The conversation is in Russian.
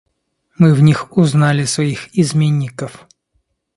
Мы в них узнали своих изменников.